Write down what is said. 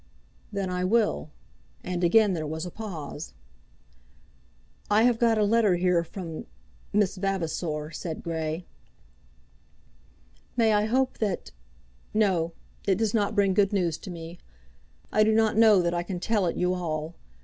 "Then I will." And again there was a pause. "I have got a letter here from Miss Vavasor," said Grey. "May I hope that " "No; it does not bring good news to me. I do not know that I can tell it you all.